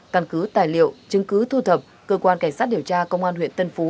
căn cứ tài liệu chứng cứ thu thập cơ quan cảnh sát điều tra công an huyện tân phú